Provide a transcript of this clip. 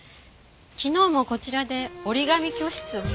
昨日もこちらで折り紙教室を。